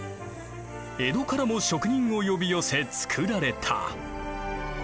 江戸からも職人を呼び寄せつくられた。